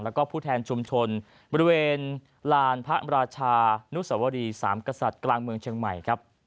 แล้วก็ผู้แทนชุมชนบริเวณลานพระราชานุสวรีสามกษัตริย์กลางเมืองเชียงใหม่ครับ